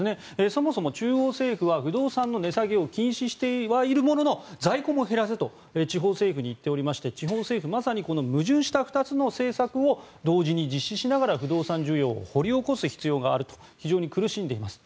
そもそも中央政府は不動産の値下げを禁止しているものの在庫も減らせと地方政府に言っておりまして地方政府はまさに矛盾した２つの政策を同時に実施しながら不動産需要を掘り起こす必要があると非常に苦しんでいます。